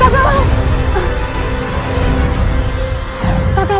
saya tidak adil